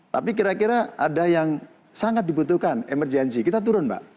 tapi kira kira ada yang sangat dibutuhkan emergensi kita turun mbak